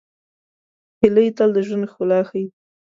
هیلۍ تل د ژوند ښکلا ښيي